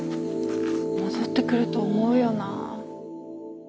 戻ってくると思うよな。